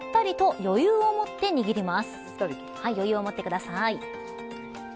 余裕を持ってください。